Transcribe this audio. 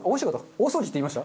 大掃除って言いました？